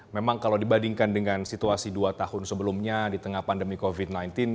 memang kalau dibandingkan dengan situasi dua tahun sebelumnya di tengah pandemi covid sembilan belas